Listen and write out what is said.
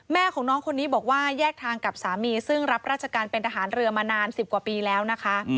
แม่ของน้องคนนี้บอกว่าแยกทางกับสามีซึ่งรับราชการเป็นทหารเรือมานาน๑๐กว่าปีแล้วนะคะ